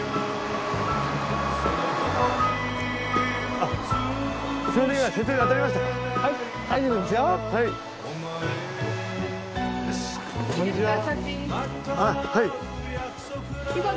あっはい。